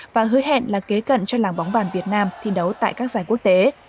và hứa hẹn là kế cận cho làng bóng bàn việt nam thi đấu tại các giải quốc tế